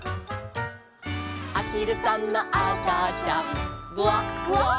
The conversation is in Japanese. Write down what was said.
「あひるさんのあかちゃん」「グワグワ」